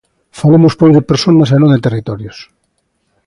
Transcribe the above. Falemos pois de persoas e non de territorios.